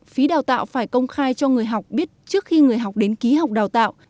phí đào tạo phải công khai cho người học biết trước khi người học đến ký học đào tạo